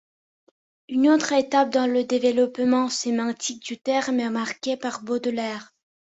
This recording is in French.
Une autre étape dans le développement sémantique du terme est marquée par Baudelaire.